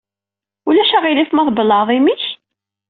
Ulac aɣilif ma tbellɛeḍ imi-k?